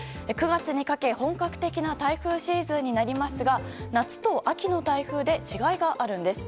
９月にかけて本格的な台風シーズンになりますが夏と秋の台風で違いがあるんです。